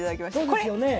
そうですよね。